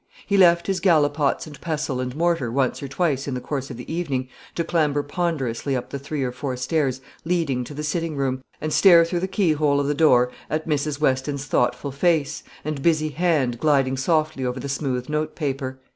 He left his gallipots and pestle and mortar once or twice in the course of the evening, to clamber ponderously up the three or four stairs leading to the sitting room, and stare through the keyhole of the door at Mrs. Weston's thoughtful face, and busy hand gliding softly over the smooth note paper.